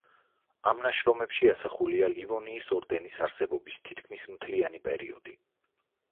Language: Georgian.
ამ ნაშრომებში ასახულია ლივონიის ორდენის არსებობის თითქმის მთელი პერიოდი.